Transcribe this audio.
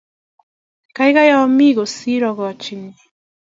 kakai ame kosir akonin ni.